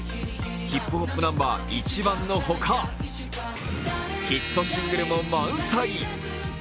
ヒップホップナンバー「ｉｃｈｉｂａｎ」のほか、ヒットシングルも満載。